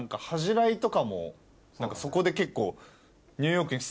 そこで結構。